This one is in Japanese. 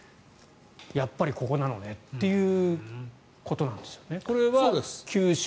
やっぱりここなのねということなんですよね。